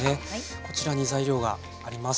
こちらに材料があります。